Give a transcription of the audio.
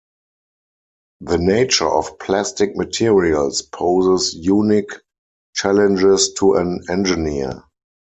The nature of plastic materials poses unique challenges to an engineer.